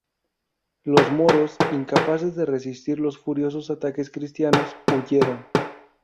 Los moros, incapaces de resistir los furiosos ataques cristianos, huyeron.